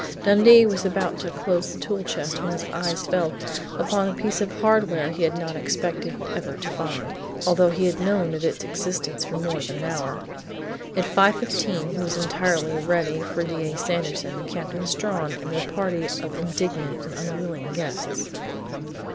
Dundee was about to close the tool chest when his eyes fell upon a piece of hardware he had not expected ever to find, although he had known of its existence for more than an hour. At 5:15 he was entirely ready for D. A. Sanderson, Captain Strawn and their party of indignant and unwilling guests....